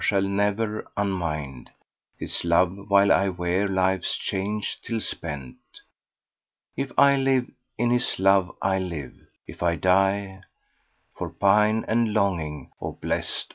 shall ne'er unmind * His love, while I wear life's chains till spent: If I live, in his love I'll live; if I die * For pine and longing, 'O blest!'